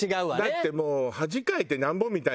だってもう。